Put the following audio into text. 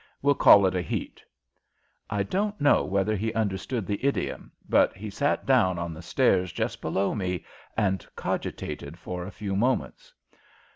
We'll call it a heat." I don't know whether he understood the idiom, but he sat down on the stairs just below me and cogitated for a few moments.